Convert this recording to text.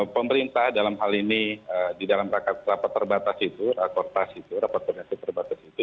pemerintah dalam hal ini di dalam rapat terbatas itu rakortas itu rapat koordinasi terbatas itu